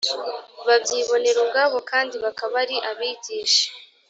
babyibonera ubwabo kandi bakaba ari abigisha